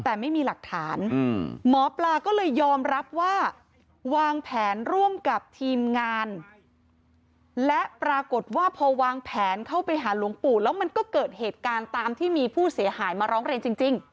แต่ไม่มีหลักฐานหมอปลาก็เลยยอมรับว่าวางแผนร่วมกับทีมงานและปรากฏว่าพอวางแผนเข้าไปหาหลวงปู่แล้วมันก็เกิดเหตุการณ์ตามที่มีผู้เสียหายมาร้องเรียนจริง